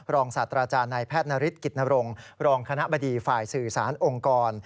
ศาสตราจารย์นายแพทย์นฤทธิกิจนรงค์รองคณะบดีฝ่ายสื่อสารองค์กร